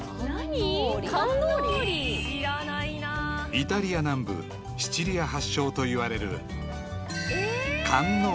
［イタリア南部シチリア発祥といわれる］